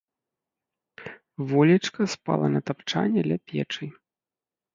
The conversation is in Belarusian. Волечка спала на тапчане ля печы.